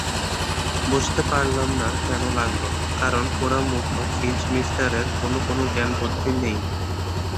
বুঝতে পারলাম না কেনো লাগলো, কারণ পোড়ামুখো ফিঞ্চমিস্টারের কোনো কোনো জ্ঞানবুদ্ধি নেই।